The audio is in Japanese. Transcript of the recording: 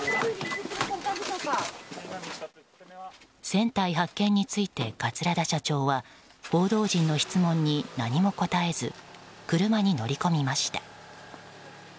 船体発見について、桂田社長は報道陣の質問に何も答えず車に乗り込みました。